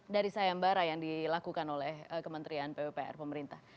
dari sayang bara yang dilakukan oleh kementerian pwpr pemerintah